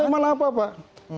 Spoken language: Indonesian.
pelemahan apa pak